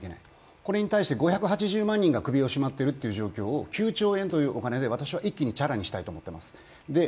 これに対して５８０万人が首をしまっているという現状を９兆円で私は一気にチャラにしたいと思っています